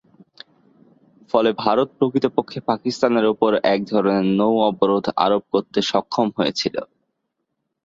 ফলে ভারত প্রকৃতপক্ষে পাকিস্তানের ওপর এক ধরনের নৌ অবরোধ আরোপ করতে সক্ষম হয়েছিল।